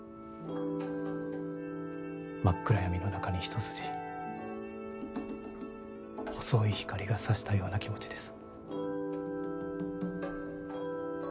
真っ暗闇の中に一筋細い光がさしたような気持ちです。